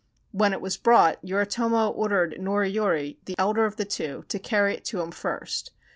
When it was brought, Yoritomo ordered Noriyori, the elder of the two, to carry it to him first.